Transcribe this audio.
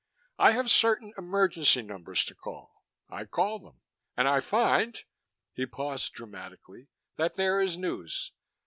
I have certain emergency numbers to call; I call them. And I find " he paused dramatically "that there is news.